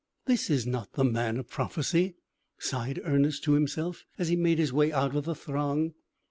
"This is not the man of prophecy," sighed Ernest, to himself, as he made his way out of the throng.